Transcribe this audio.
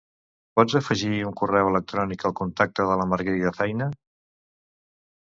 Pots afegir un correu electrònic al contacte de la Margarida Feina?